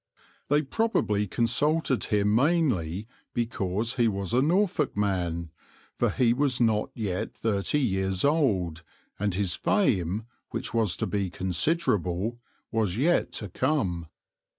They probably consulted him mainly because he was a Norfolk man, for he was not yet thirty years old, and his fame, which was to be considerable, was yet to come.